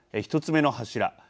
１つ目の柱。